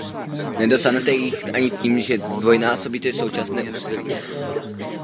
Nedosáhnete jich ani tím, že zdvojnásobíte současné úsilí.